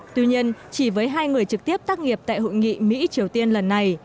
tuy nhiên chỉ với hai người trực tiếp tác nghiệp tại hội nghị mỹ triều tiên lần này